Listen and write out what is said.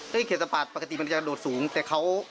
เคียดตะปาปกติมันจะโดดสูงแต่เขา